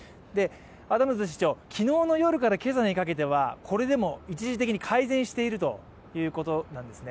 アダムズ市長、昨日の夜から今朝にかけてはこれでも一時的に改善しているということなんですね。